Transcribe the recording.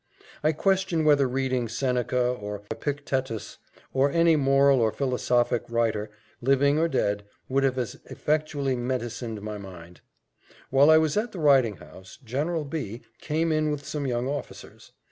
I question whether reading Seneca, or Epictetus, or any moral or philosophic writer, living or dead, would have as effectually medicined my mind. While I was at the riding house, General B came in with some young officers.